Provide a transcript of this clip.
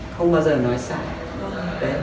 không bao giờ nói sai